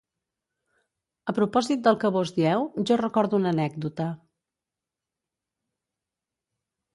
A propòsit del que vós dieu, jo recordo una anècdota.